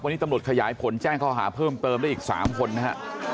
วันนี้ตำรวจขยายผลแจ้งข้อหาเพิ่มเติมได้อีก๓คนนะฮะ